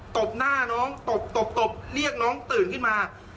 บหน้าน้องตบตบตบเรียกน้องตื่นขึ้นมา